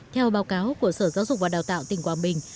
theo báo cáo của sở giáo dục và đào tạo tỉnh quảng bình